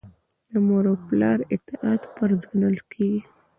د مور او پلار اطاعت فرض ګڼل کیږي.